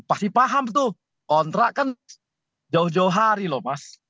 pasti paham tuh kontrak kan jauh jauh hari loh mas